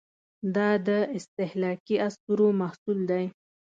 دا د استهلاکي اسطورو محصول دی.